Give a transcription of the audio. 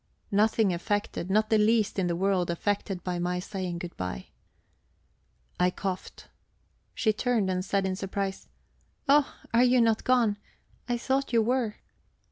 Nothing affected, not the least in the world affected by my saying good bye. I coughed. She turned and said in surprise: "Oh, are you not gone? I thought you were."